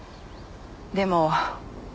でも。